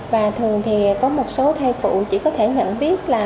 và thường thì có một số thai phụ chỉ có thể nhận biết là